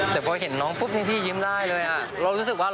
บ้าแต่ได้เบี้ยนะ